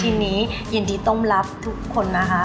ทีนี้ยินดีต้อนรับทุกคนนะคะ